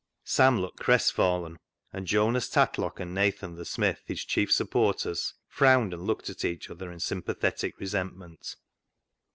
Sam looked crestfallen, and Jonas Tatlock and Nathan the smith, his chief supporters, frowned and looked at each other in sympathetic resentment.